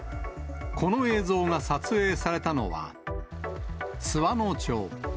この映像が撮影されたのは、津和野町。